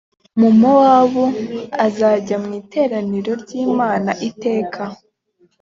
umumowabu uzajya mu iteraniro ry’imana iteka